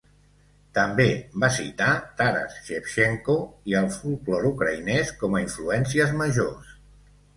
També va citar Taras Shevchenko i el folklore ucraïnès com a influències majors.